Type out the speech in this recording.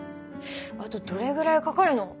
あとどれぐらいかかるの？